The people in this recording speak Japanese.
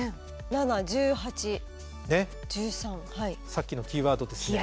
さっきのキーワードですね。